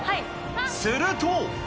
すると。